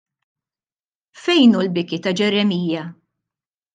Fejn hu l-biki ta' Ġeremija!